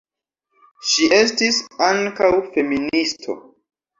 Ŝi estis ankaŭ feministo.